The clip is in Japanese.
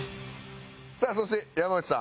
さあそして山内さん。